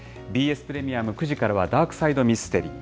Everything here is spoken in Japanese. ＢＳプレミアム９時からはダークサイドミステリー。